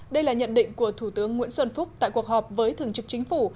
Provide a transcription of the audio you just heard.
đây là nhận định của thủ tướng nguyễn xuân phúc tại cuộc họp với thường trực chính phủ